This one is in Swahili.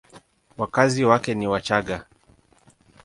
Wakazi wake ni Wachagga.